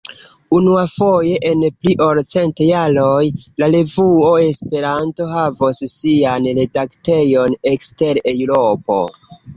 Unuafoje en pli ol cent jaroj, la revuo Esperanto havos sian redaktejon ekster Eŭropo.